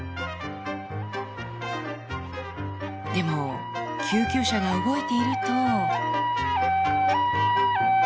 でも救急車が動いていると。